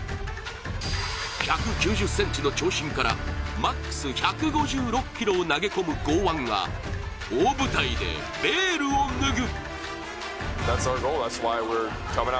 １９０ｃｍの長身からＭＡＸ１５６キロを投げ込む剛腕が大舞台でベールを脱ぐ。